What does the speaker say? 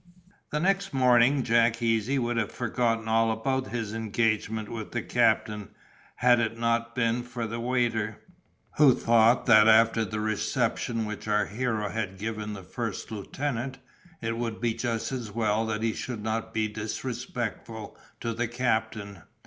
The next morning Jack Easy would have forgotten all about his engagement with the captain, had it not been for the waiter, who thought that after the reception which our hero had given the first lieutenant, it would be just as well that he should not be disrespectful to the captain.